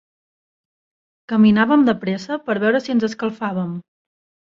Caminàvem de pressa per veure si ens escalfàvem.